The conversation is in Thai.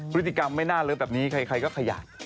พฤติกรรมไม่น่าเลิฟแบบนี้ใครก็ขยาด